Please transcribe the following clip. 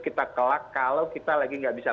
kita kelak kalau kita lagi nggak bisa